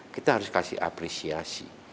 kita harus kasih apresiasi